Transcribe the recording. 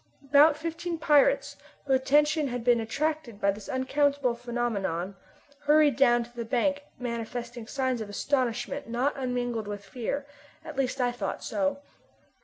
About fifteen pirates, whose attention had been attracted by this unaccountable phenomenon, hurried down to the bank manifesting signs of astonishment not unmingled with fear at least I thought so.